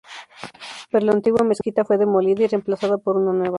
Pero la antigua mezquita fue demolida y reemplazada por una nueva.